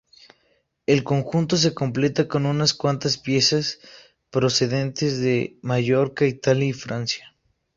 El conjunto se completa con unas cuantas piezas procedentes de Mallorca, Italia y Francia.